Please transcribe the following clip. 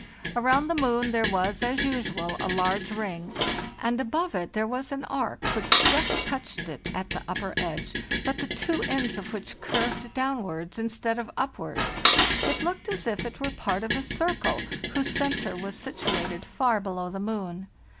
Around the moon there was, as usual, a large ring, and above it bo ioe) PAR IAGSL MOR LE there was an arc, which just touched it at the upper edge, but the two ends of which curved downward instead of upward. It looked as if it were part of a circle whose centre was situated far below the moon.